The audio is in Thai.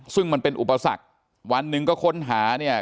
ซึ่งมันเป็นอุปสรรควันหนึ่งก็ค้นหาเนี่ย